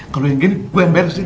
kalo yang gini gua yang belesin